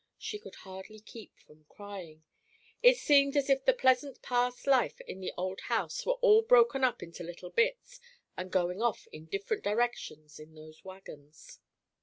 She could hardly keep from crying. It seemed as if the pleasant past life in the old house were all broken up into little bits, and going off in different directions in those wagons.